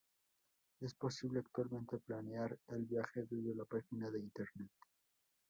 Es posible actualmente planear el viaje desde la página de internet.